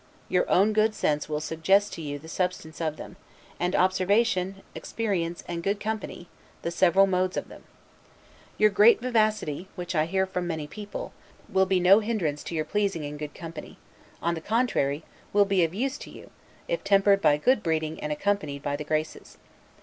Your own good sense will suggest to you the substance of them; and observation, experience, and good company, the several modes of them. Your great vivacity, which I hear of from many people, will be no hindrance to your pleasing in good company: on the contrary, will be of use to you, if tempered by good breeding and accompanied by the Graces.